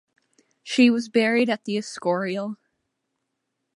She was buried at the Escorial.